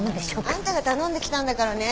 あんたが頼んできたんだからね。